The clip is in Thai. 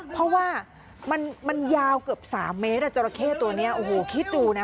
เพราะว่ามันยาวเกือบ๓เมตรจราเข้ตัวนี้โอ้โหคิดดูนะ